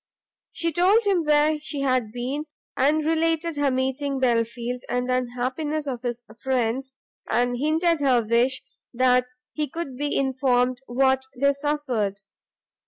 She told him where she had been, and related her meeting Belfield, and the unhappiness of his friends, and hinted her wish that he could be informed what they suffered.